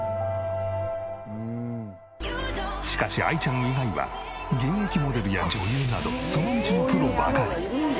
しかしあいちゃん以外は現役モデルや女優などその道のプロばかり。